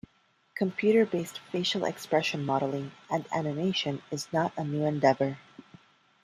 Computer based facial expression modelling and animation is not a new endeavour.